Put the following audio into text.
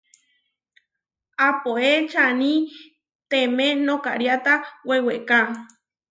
Apoé čani teme nokariáta weweká.